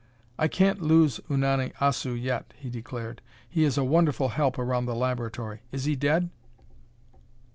"I can't lose Unani Assu yet," he declared. "He is a wonderful help around the laboratory. Is he dead?"